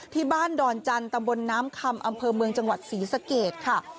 ดอนจันทร์ตำบลน้ำคำอำเภอเมืองจังหวัดศรีสะเกดค่ะ